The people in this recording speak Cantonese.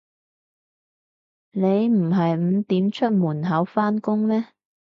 你唔係五點出門口返工咩